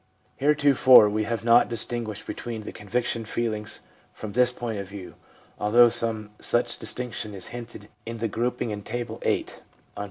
Heretofore we have not distinguished between the conviction feelings from this point of view, although some such distinction is hinted in the grouping in Table VIII. on p.